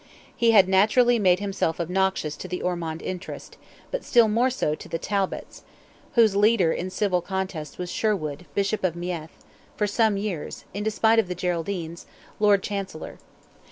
He had naturally made himself obnoxious to the Ormond interest, but still more so to the Talbots, whose leader in civil contests was Sherwood, Bishop of Meath—for some years, in despite of the Geraldines, Lord Chancellor.